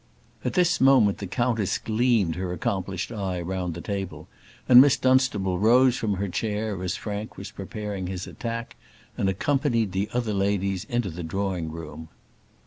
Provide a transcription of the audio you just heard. At this moment the countess gleamed her accomplished eye round the table, and Miss Dunstable rose from her chair as Frank was preparing his attack, and accompanied the other ladies into the drawing room.